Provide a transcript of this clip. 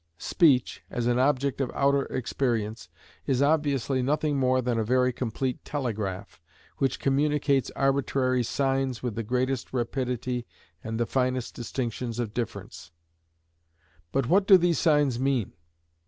Speech, as an object of outer experience, is obviously nothing more than a very complete telegraph, which communicates arbitrary signs with the greatest rapidity and the finest distinctions of difference. But what do these signs mean?